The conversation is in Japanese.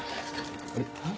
あれ。